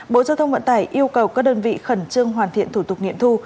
bộ giao thông vận tải yêu cầu các đơn vị khẩn trương hoàn thiện thủ tục nghiện thu